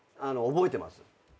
覚えてます。